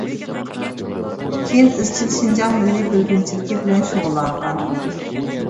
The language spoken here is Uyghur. كىيىن ئىزچىل شىنجاڭ مىللىي بۆلگۈنچىلىكى بىلەن شۇغۇللانغان.